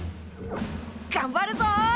がんばるぞ！